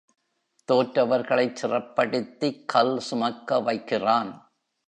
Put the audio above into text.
தோற்றவர்களைச் சிறைப்படுத்திக் கல் சுமக்க வைக்கிறான்.